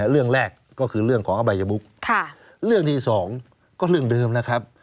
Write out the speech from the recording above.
เรื่องแรกก็คือเรื่องของอบายบุ๊กเรื่องที่สองก็เรื่องเดิมนะครับ